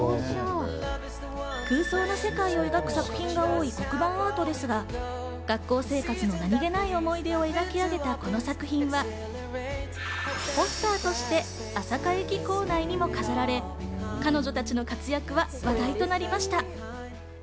空想の世界を描く作品が多い黒板アートですが、学校生活の何げない思い出を描き上げた、この作品はポスターとして朝霞駅構内にも飾られ、彼女たちの活躍は話題となりました。